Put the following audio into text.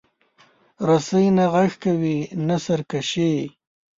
رسۍ نه غږ کوي، نه سرکشي.